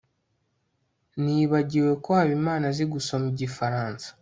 nibagiwe ko habimana azi gusoma igifaransa